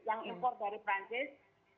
yang impor dari perancis